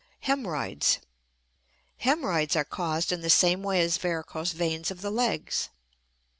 Hemorrhoids. Hemorrhoids are caused in the same way as varicose veins of the legs.